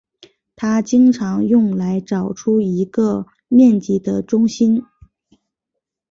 它经常用来找出一个面积的中心。